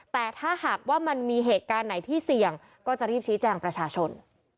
แต่ถ้าหากว่ามันมีเหตุการณ์ไหนที่เสี่ยงก็จะรีบชี้แจงประชาชน